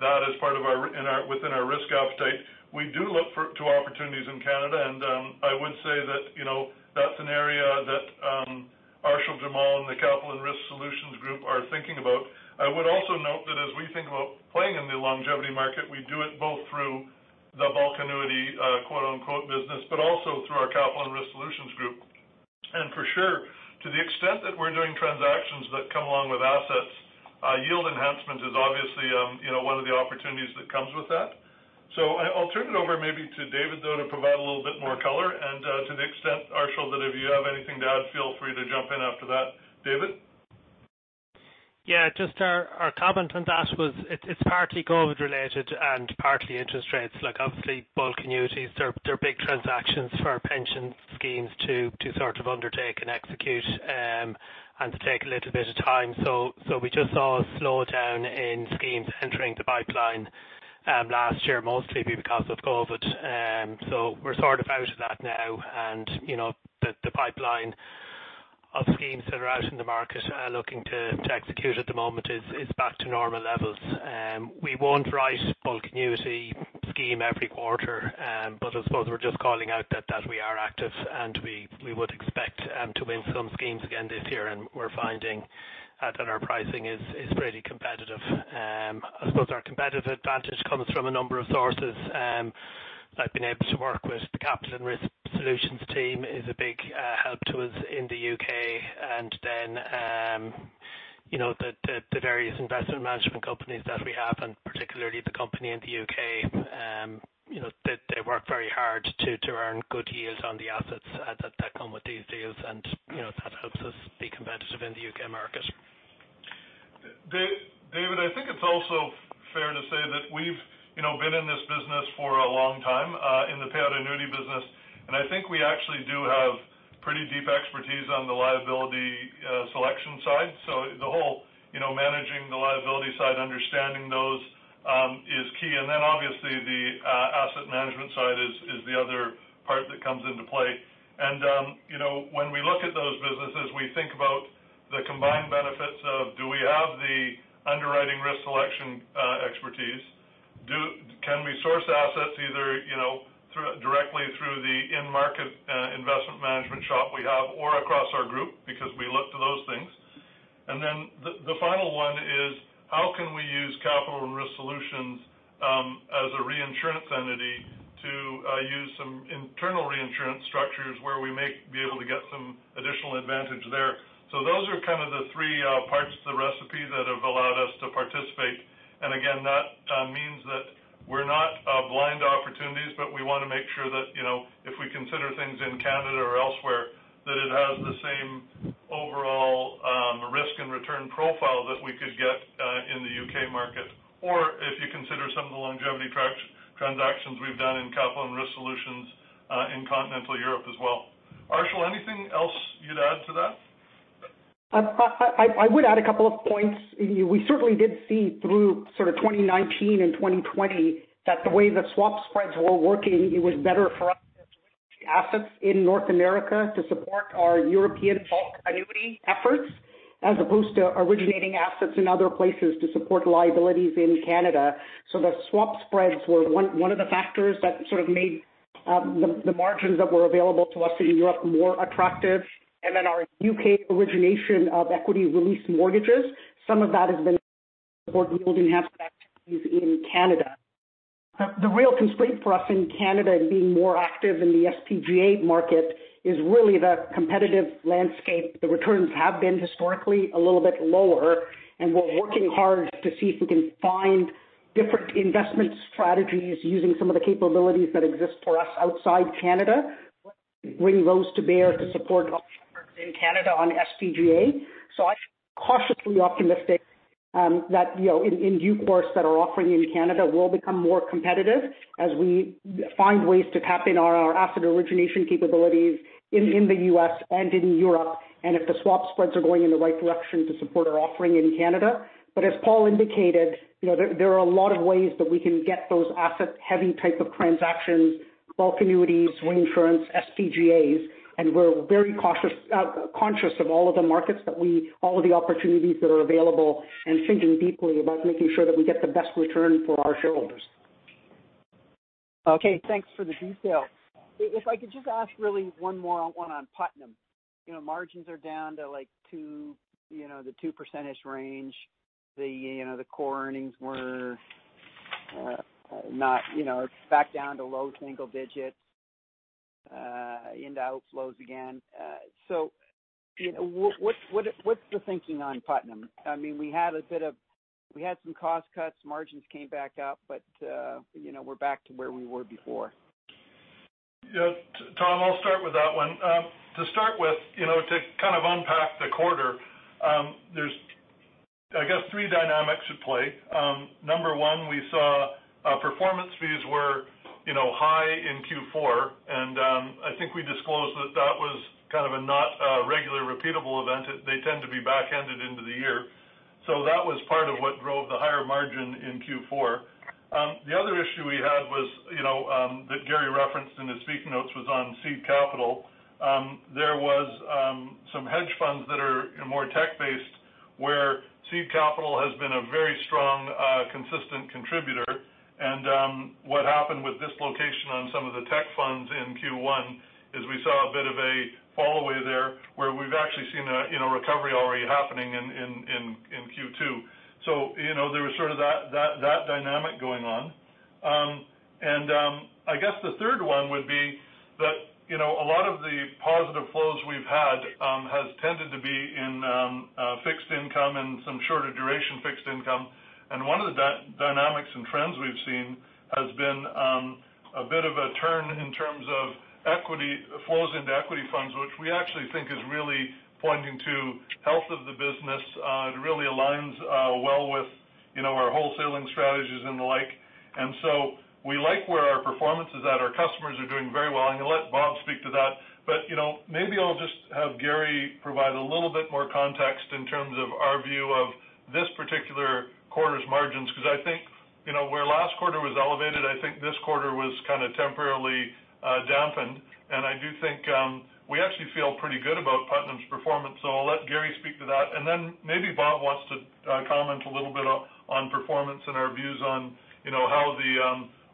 that as part of within our risk appetite, we do look to opportunities in Canada. I would say that that's an area that Arshil Jamal and the Capital and Risk Solutions Group are thinking about. I would also note that as we think about playing in the longevity market, we do it both through the bulk annuity, quote unquote, business, but also through our Capital and Risk Solutions Group. For sure, to the extent that we're doing transactions that come along with assets, yield enhancement is obviously one of the opportunities that comes with that. I'll turn it over maybe to David, though, to provide a little bit more color. To the extent, Arshil, that if you have anything to add, feel free to jump in after that. David? Just our comment on that was it's partly COVID-19 related and partly interest rates. Obviously, bulk annuities, they're big transactions for pension schemes to sort of undertake and execute and to take a little bit of time. We just saw a slowdown in schemes entering the pipeline last year, mostly because of COVID-19. We're sort of out of that now, and the pipeline of schemes that are out in the market looking to execute at the moment is back to normal levels. We won't write bulk annuity scheme every quarter. I suppose we're just calling out that we are active and we would expect to win some schemes again this year, and we're finding that our pricing is pretty competitive. I suppose our competitive advantage comes from a number of sources. I've been able to work with the Capital and Risk Solutions team is a big help to us in the U.K. and then the various investment management companies that we have, and particularly the company in the U.K. they work very hard to earn good yields on the assets that come with these deals, and that helps us be competitive in the U.K. market. David, I think it's also fair to say that we've been in this business for a long time, in the payout annuity business. I think we actually do have pretty deep expertise on the liability selection side. The whole managing the liability side, understanding those, is key. Obviously the asset management side is the other part that comes into play. When we look at those businesses, we think about the combined benefits of do we have the underwriting risk selection expertise? Can we source assets either directly through the in-market investment management shop we have or across our group? We look to those things. The final one is how can we use Capital and Risk Solutions, as a reinsurance entity to use some internal reinsurance structures where we may be able to get some additional advantage there. Those are kind of the three parts of the recipe that have allowed us to participate. Again, that means that we're not blind to opportunities, but we want to make sure that if we consider things in Canada or elsewhere, that it has the same overall risk and return profile that we could get in the U.K. market, or if you consider some of the longevity transactions we've done in Capital and Risk Solutions in continental Europe as well. Arshil, anything else you'd add to that? I would add a couple of points. We certainly did see through sort of 2019 and 2020 that the way that swap spreads were working, it was better for us to assets in North America to support our European bulk annuity efforts as opposed to originating assets in other places to support liabilities in Canada. The swap spreads were one of the factors that sort of made the margins that were available to us in Europe more attractive. Our U.K. origination of equity release mortgages, some of that has been support yielding asset activities in Canada. The real constraint for us in Canada in being more active in the SPGA market is really the competitive landscape. The returns have been historically a little bit lower, and we're working hard to see if we can find different investment strategies using some of the capabilities that exist for us outside Canada, bring those to bear to support customers in Canada on SPGA. I feel cautiously optimistic that in due course that our offering in Canada will become more competitive as we find ways to tap in our asset origination capabilities in the U.S. and in Europe, and if the swap spreads are going in the right direction to support our offering in Canada. As Paul indicated, there are a lot of ways that we can get those asset-heavy type of transactions, bulk annuities, reinsurance, SPGAs, and we're very conscious of all of the markets, all of the opportunities that are available and thinking deeply about making sure that we get the best return for our shareholders. Okay, thanks for the detail. If I could just ask really one more one on Putnam. Margins are down to like 2%, the 2% range. The core earnings were back down to low single digits into outflows again. What's the thinking on Putnam? I mean, we had some cost cuts, margins came back up, but we're back to where we were before. Tom, I'll start with that one. To start with, to kind of unpack the quarter, there's I guess three dynamics at play. Number one, we saw performance fees were high in Q4, and I think we disclosed that that was kind of a not a regular repeatable event. They tend to be backended into the year. That was part of what drove the higher margin in Q4. The other issue we had was that Gary referenced in his speaking notes was on seed capital. There was some hedge funds that are more tech-based where seed capital has been a very strong, consistent contributor and what happened with this location on some of the tech funds in Q1 is we saw a bit of a fall away there where we've actually seen a recovery already happening in Q2. There was sort of that dynamic going on. I guess the third one would be that a lot of the positive flows we've had has tended to be in fixed income and some shorter duration fixed income. One of the dynamics and trends we've seen has been a bit of a turn in terms of equity flows into equity funds, which we actually think is really pointing to health of the business. It really aligns well with our wholesaling strategies and the like. We like where our performance is at. Our customers are doing very well, and I'm going to let Bob speak to that. Maybe I'll just have Garry provide a little bit more context in terms of our view of this particular quarter's margins, because I think where last quarter was elevated, I think this quarter was kind of temporarily dampened. I do think we actually feel pretty good about Putnam's performance, so I'll let Garry speak to that. Then maybe Bob wants to comment a little bit on performance and our views on how the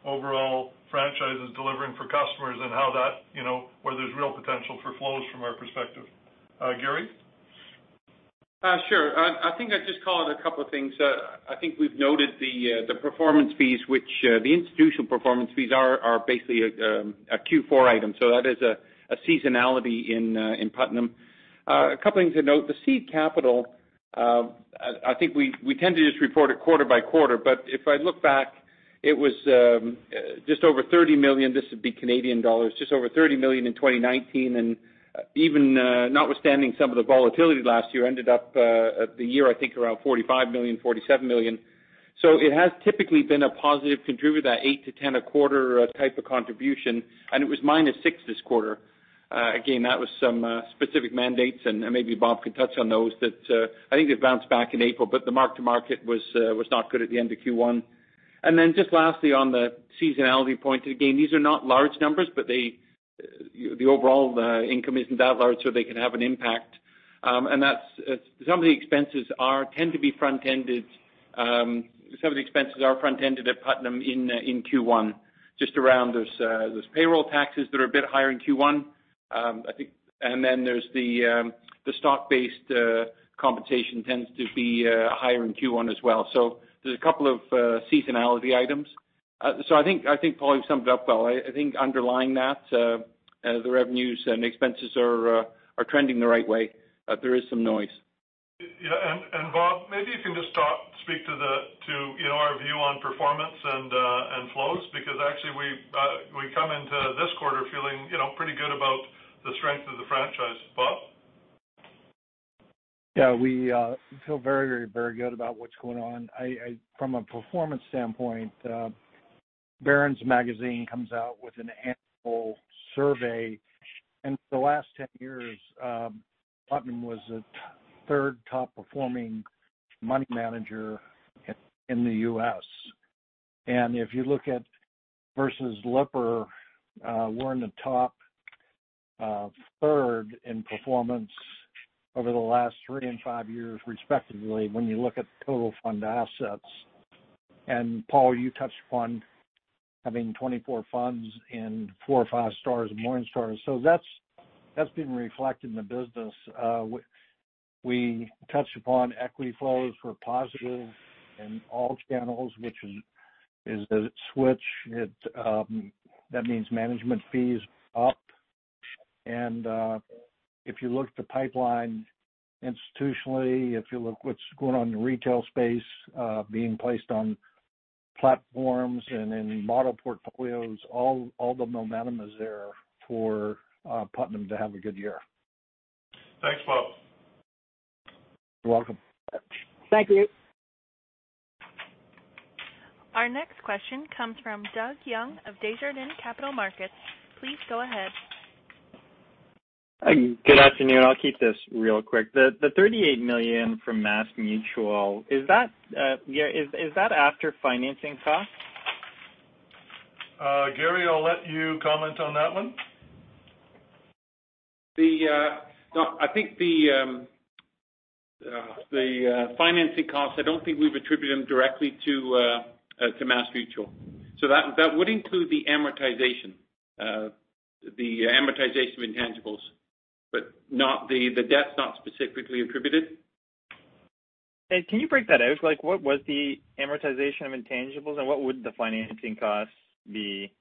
overall franchise is delivering for customers and where there's real potential for flows from our perspective. Garry? Sure. I think I'd just call out a couple of things. I think we've noted the performance fees, which the institutional performance fees are basically a Q4 item. That is a seasonality in Putnam. A couple things to note. The seed capital, I think we tend to just report it quarter by quarter, but if I look back, it was just over 30 million, this would be Canadian dollars, just over 30 million in 2019. Even notwithstanding some of the volatility last year, ended up the year, I think around 45 million, 47 million. It has typically been a positive contributor, that 8-10 a quarter type of contribution, and it was -6 this quarter. Again, that was some specific mandates, and maybe Bob can touch on those. I think they've bounced back in April, but the mark-to-market was not good at the end of Q1. Just lastly, on the seasonality point, again, these are not large numbers, but the overall income isn't that large, so they can have an impact. Some of the expenses are front-ended at Putnam in Q1. There's payroll taxes that are a bit higher in Q1. There's the stock-based compensation tends to be higher in Q1 as well. There's a couple of seasonality items. I think Paul, you summed it up well. I think underlying that, the revenues and expenses are trending the right way. There is some noise. Yeah. Bob, maybe you can just speak to our view on performance and flows, because actually we come into this quarter feeling pretty good about the strength of the franchise. Bob? We feel very good about what's going on. From a performance standpoint, Barron's magazine comes out with an annual survey. In the last 10 years, Putnam was the third top-performing money manager in the U.S. If you look at versus Lipper, we're in the top third in performance over the last three and five years respectively, when you look at total fund assets. Paul, you touched upon having 24 funds and four or five stars and Morningstar. That's been reflected in the business. We touched upon equity flows were positive in all channels, which is the switch. That means management fees up. If you look at the pipeline institutionally, if you look what's going on in the retail space, being placed on platforms and in model portfolios, all the momentum is there for Putnam to have a good year. Thanks, Bob. You're welcome. Thank you. Our next question comes from Doug Young of Desjardins Capital Markets. Please go ahead. Good afternoon. I'll keep this real quick. The 38 million from MassMutual, is that after financing costs? Garry, I'll let you comment on that one. I think the financing costs, I don't think we've attributed them directly to MassMutual. That would include the amortization of intangibles, but the debt's not specifically attributed. Can you break that out? What was the amortization of intangibles, and what would the financing costs be?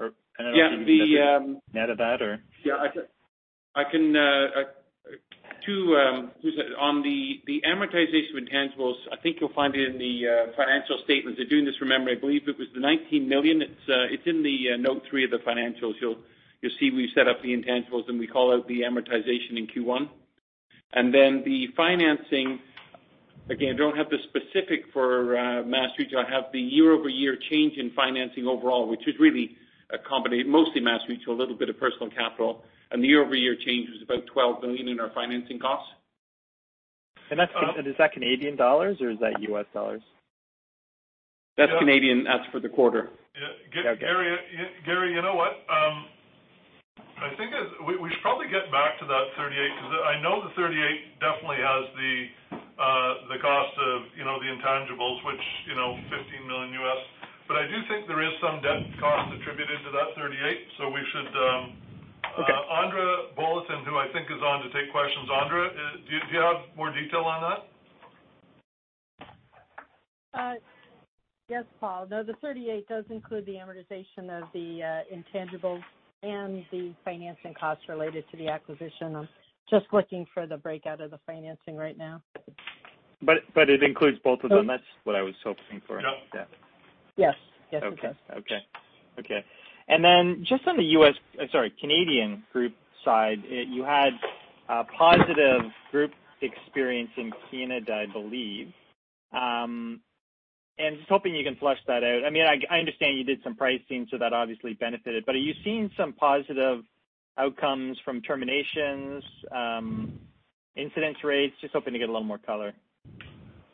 I don't know if you can net of that. Yeah. On the amortization of intangibles, I think you'll find it in the financial statements. They're doing this, remember, I believe it was the 19 million. It's in the note three of the financials. You'll see we've set up the intangibles, and we call out the amortization in Q1. The financing, again, I don't have the specific for MassMutual. I have the year-over-year change in financing overall, which is really mostly MassMutual, a little bit of Personal Capital. The year-over-year change was about CAD 12 million in our financing costs. Is that Canadian dollars or is that U.S. dollars? That's Canadian. That's for the quarter. Garry, you know what? I think we should probably get back to that 38 million, because I know the 38 million definitely has the cost of the intangibles, which, $15 million. I do think there is some debt cost attributed to that 38 million. So we should, Andra Bolotin, who I think is on to take questions. Andra, do you have more detail on that? Yes, Paul. No, the 38 million does include the amortization of the intangibles and the financing costs related to the acquisition. I'm just looking for the breakout of the financing right now. It includes both of them. That's what I was hoping for. Yeah. Yes. Yes, it does. Okay. Just on the Canadian group side, you had a positive group experience in Canada, I believe. Just hoping you can flesh that out. I understand you did some pricing, so that obviously benefited. Are you seeing some positive outcomes from terminations, incidence rates? Just hoping to get a little more color.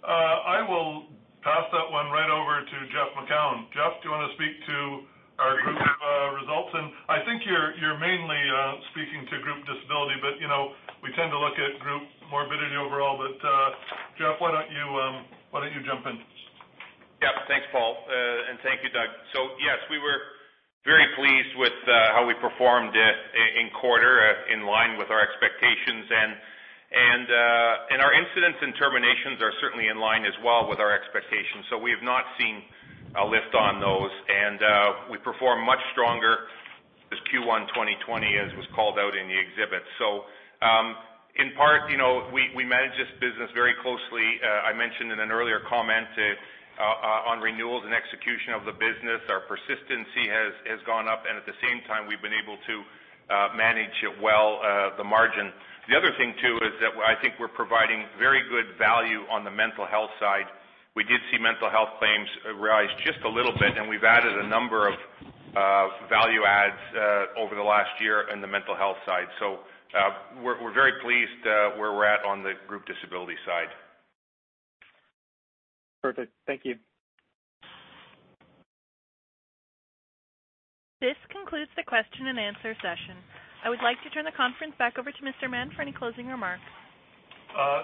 I will pass that one right over to Jeff Macoun. Jeff, do you want to speak to our group results? I think you're mainly speaking to group disability, but we tend to look at group morbidity overall. Jeff, why don't you jump in? Thanks, Paul, and thank you, Doug. Yes, we were very pleased with how we performed in quarter, in line with our expectations. Our incidents and terminations are certainly in line as well with our expectations. We have not seen a lift on those. We performed much stronger this Q1 2020, as was called out in the exhibit. In part, we manage this business very closely. I mentioned in an earlier comment on renewals and execution of the business, our persistency has gone up, and at the same time, we've been able to manage it well, the margin. The other thing, too, is that I think we're providing very good value on the mental health side. We did see mental health claims rise just a little bit, and we've added a number of value adds over the last year on the mental health side. We're very pleased where we're at on the group disability side. Perfect. Thank you. This concludes the question and answer session. I would like to turn the conference back over to Mr. Mahon for any closing remarks.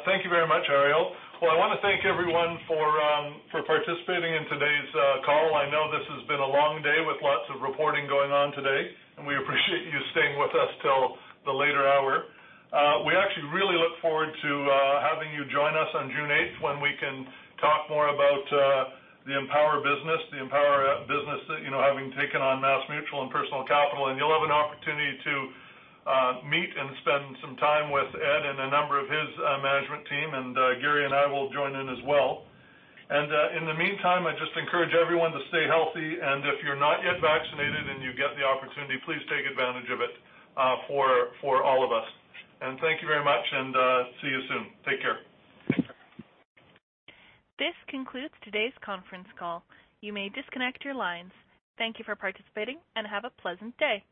Thank you very much, Ariel. Well, I want to thank everyone for participating in today's call. I know this has been a long day with lots of reporting going on today. We appreciate you staying with us till the later hour. We actually really look forward to having you join us on June 8th when we can talk more about the Empower business. The Empower business having taken on MassMutual and Personal Capital. You'll have an opportunity to meet and spend some time with Ed and a number of his management team. Gary and I will join in as well. In the meantime, I just encourage everyone to stay healthy, and if you're not yet vaccinated and you get the opportunity, please take advantage of it for all of us. Thank you very much, and see you soon. Take care. This concludes today's conference call. You may disconnect your lines. Thank you for participating and have a pleasant day.